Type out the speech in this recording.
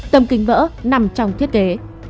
tầm kính vỡ nằm trong thiết kế